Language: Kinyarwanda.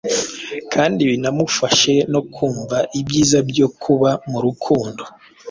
kandi binamufashe no kumva ibyiza byo kuba mu rukundo